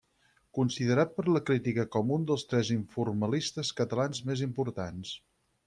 Considerat per la crítica com un dels tres informalistes catalans més importants.